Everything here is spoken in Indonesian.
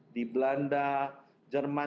di belanda jerman